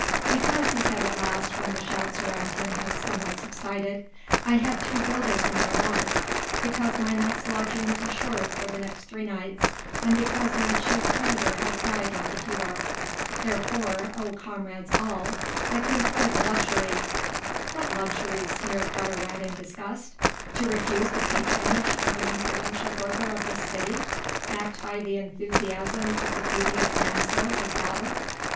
"Because," he said at last when the shouts around him had somewhat subsided, "I had three guilders in my wallet, because my night's lodging is assured for the next three nights and because my chief creditor has died like a hero. Therefore, O comrades all! I could afford the luxury." "What luxury?" sneered Gutter rat in disgust, "to refuse the patronage of an influential burgher of this city, backed by the enthusiasm of the beauteous damsel, his daughter?"